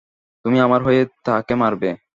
তুমি আমার হয়ে তাকে মারবে।